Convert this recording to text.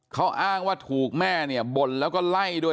เขาอ้างว่าถูกแม่เนี่ยบ่นแล้วก็ไล่ด้วย